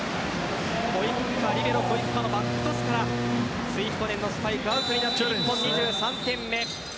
リベロ・コイッカのバックトスからスイヒコネンのスパイクアウトになって日本、２３点目。